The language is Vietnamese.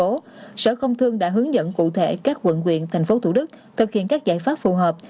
do đó sở công thương đã hướng dẫn cụ thể các quận quyền thành phố thủ đức thực hiện các giải pháp phù hợp